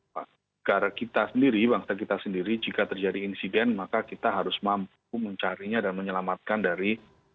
negara kita sendiri bangsa kita sendiri jika terjadi insiden maka kita harus mampu mencarinya dan menyelamatkan dari